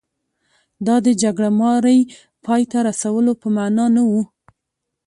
دا د جګړه مارۍ پای ته رسولو په معنا نه و.